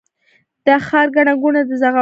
د ښار ګڼه ګوڼه د زغملو نه ده